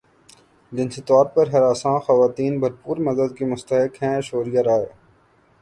جنسی طور پر ہراساں خواتین بھرپور مدد کی مستحق ہیں ایشوریا رائے